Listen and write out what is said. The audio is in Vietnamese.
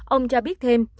ông cho biết thêm